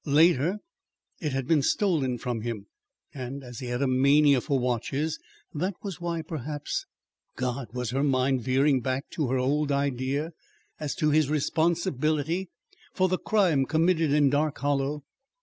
Later, it had been stolen from him; and as he had a mania for watches, that was why, perhaps God! was her mind veering back to her old idea as to his responsibility for the crime committed in Dark Hollow?